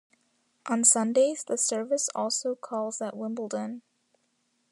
On Sundays, the service also calls at Wimbledon.